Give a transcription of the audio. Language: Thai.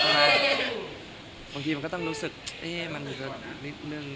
บางทีมันก็ต้องรู้สึกมันนิดนึง